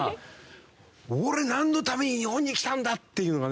俺なんのために日本に来たんだっていうのがね